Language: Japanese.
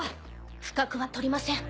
不覚はとりません。